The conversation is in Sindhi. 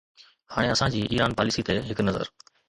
هاڻي اسان جي ايران پاليسي تي هڪ نظر.